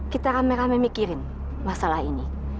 kita rame rame mikirin masalah ini